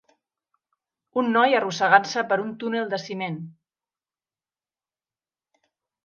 Un noi arrossegant-se per un túnel de ciment.